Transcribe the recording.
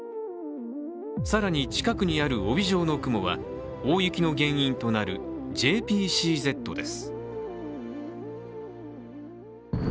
更に近くにある帯状の雲は大雪の原因となるＪＰＣＺです。